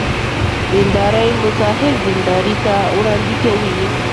دیندارۍ مظاهر نندارې ته وړاندې کوي.